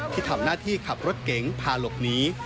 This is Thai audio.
ที่ทำหน้าที่ขับรถเก๋งพาหลบหนี